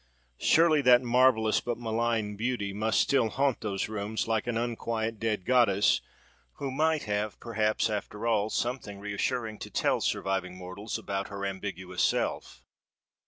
Surely, that marvellous but malign beauty must still haunt those rooms, like an unquiet, dead goddess, who might have perhaps, after all, something reassuring to tell surviving mortals about her ambiguous self.